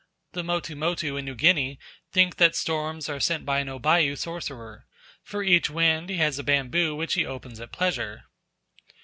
The Motumotu in New Guinea think that storms are sent by an Oiabu sorcerer; for each wind he has a bamboo which he opens at pleasure.